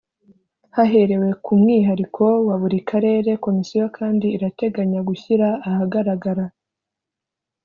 Haherewe ku mwihariko wa buri karere komisiyo kandi irateganya gushyira ahagaragara